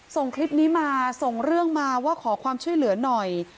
ส่งคลิปนี้มาส่งเรื่องมาว่าขอความช่วยเหลือหน่อย